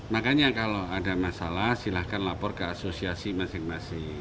makanya kalau ada masalah silahkan lapor ke asosiasi masing masing